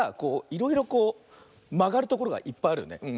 いろいろこうまがるところがいっぱいあるよね。